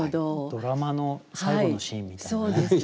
ドラマの最後のシーンみたいなね。